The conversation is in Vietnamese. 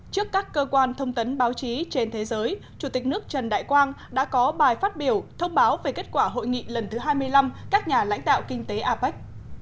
trước các cơ quan thông tấn báo chí trên thế giới chủ tịch nước trần đại quang đã có bài phát biểu thông báo về kết quả hội nghị lần thứ hai mươi năm các nhà lãnh đạo kinh tế apec